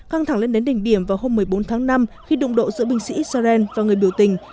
căng thẳng lên đến đỉnh điểm vào hôm một mươi bốn tháng năm khi đụng độ giữa binh sĩ israel và người biểu tình